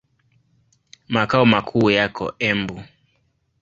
Makao makuu yako Embu.